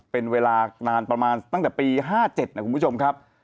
เป็นเวลานานประมาณตั้งแต่ปี๕๗นะคุณผู้ชมครับ